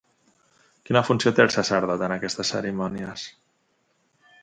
Quina funció té el sacerdot en aquestes cerimònies?